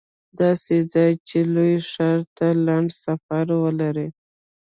داسې ځای چې لوی ښار ته لنډ سفر ولري